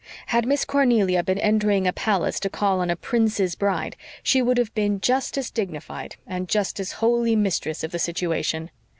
Had Miss Cornelia been entering a palace to call on a prince's bride, she would have been just as dignified and just as wholly mistress of the situation.